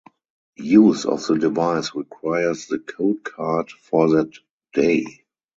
Use of the device requires the code card for that day.